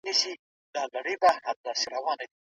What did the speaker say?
موټر چلونکی به سبا بیا دلته په انتظار ولاړ وي.